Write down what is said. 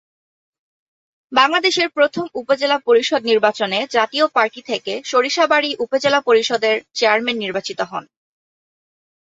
বাংলাদেশের প্রথম উপজেলা পরিষদ নির্বাচনে জাতীয় পার্টি থেকে সরিষাবাড়ী উপজেলা পরিষদের চেয়ারম্যান নির্বাচিত হন।